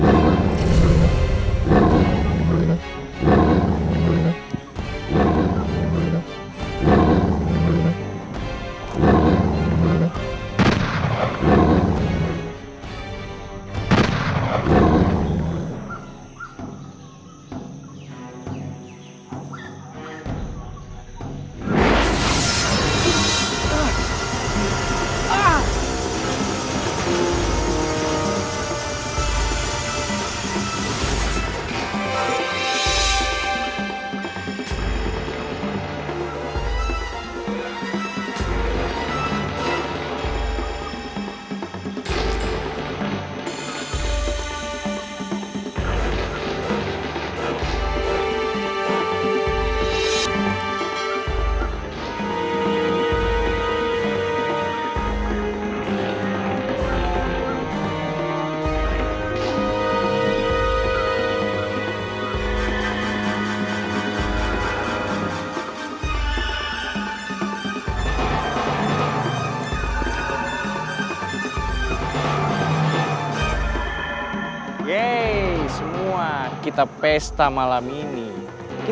salah saya dia mengangkat api seperti ini